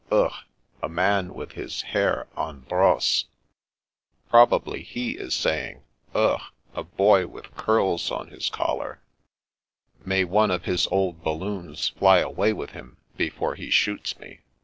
Ugh ! A man with his hair en brosse! "" Probably he is saying, * Ugh ! a boy with curls on his collar/ "" May one of his old balloons fly away with him, before he shoots me.